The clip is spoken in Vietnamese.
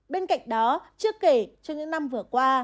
bên cạnh đó chưa kể trong những năm vừa qua